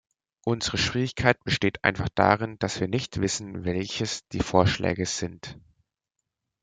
Unsere Schwierigkeit besteht einfach darin, dass wir nicht wissen, welches die Vorschläge sind.